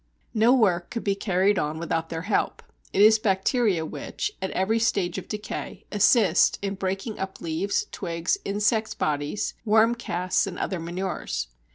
No work could be carried on without their help; it is bacteria which, at every stage of decay, assist in breaking up leaves, twigs, insects' bodies, worm casts, and other manures.